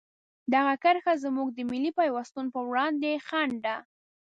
دغه کرښه زموږ د ملي پیوستون په وړاندې خنډ ده.